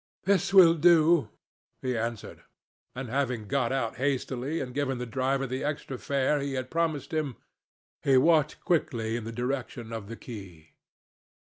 "This will do," he answered, and having got out hastily and given the driver the extra fare he had promised him, he walked quickly in the direction of the quay.